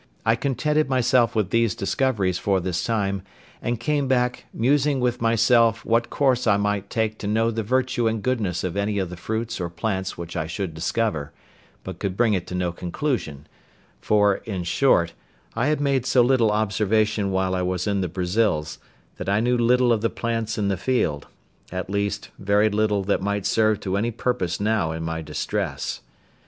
I contented myself with these discoveries for this time, and came back, musing with myself what course I might take to know the virtue and goodness of any of the fruits or plants which I should discover, but could bring it to no conclusion; for, in short, I had made so little observation while I was in the Brazils, that I knew little of the plants in the field; at least, very little that might serve to any purpose now in my distress.